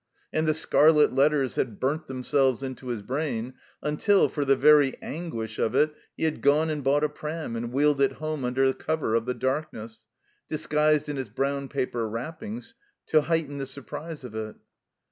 And the scarlet letters had burnt themselves into his brain, until, for the very anguish of it, he had gone and bought a prtoi and wheeled it home under cover of the darkness, disguised in its brown paper wrappings to heighten the surprise of it.